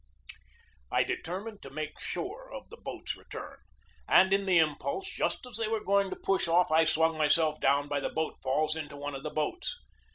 I determined to make sure of the boats' return, and in the impulse, just as they were going to push off, I swung myself down by the boat falls into one of the boats.